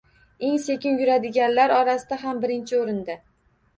Eng sekin yuguradiganlar orasida ham birinchi oʻrinda